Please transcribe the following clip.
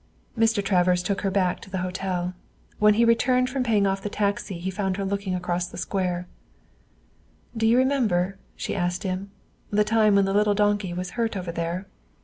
Mr. Travers took her back to the hotel. When he returned from paying off the taxi he found her looking across at the square. "Do you remember," she asked him, "the time when the little donkey was hurt over there?"